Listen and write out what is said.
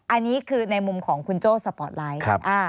อันนี้คือในมุมของคุณโจ้สปอร์ตไลท์